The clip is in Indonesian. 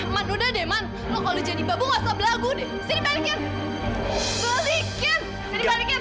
menudah demon lo kalau jadi babu ngasah lagu deh